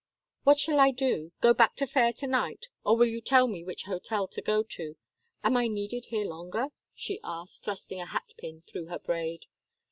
"What shall I do? Go back to Fayre to night, or will you tell me which hotel to go to am I needed here longer?" she asked, thrusting a hatpin through her braid.